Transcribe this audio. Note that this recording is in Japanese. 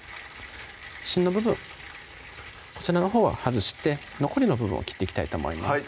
芯の部分こちらのほうは外して残りの部分を切っていきたいと思います